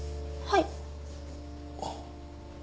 はい。